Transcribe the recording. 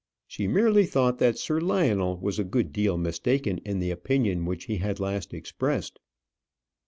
She merely thought that Sir Lionel was a good deal mistaken in the opinion which he had last expressed.